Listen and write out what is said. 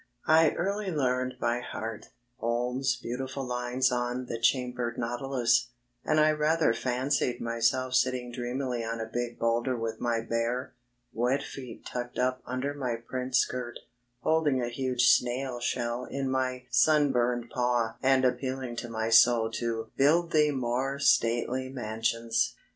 I early learned by heart, Holmes' beaudfiil lines on "The Chambered Naudlus," and I rather fancied myself sitting dreamily on a big boulder with my bare, wet feet tucked up under my print skirt, holding a huge "snail" shell in my sunburned paw and appealing to my soul to "build thee more stately mansions."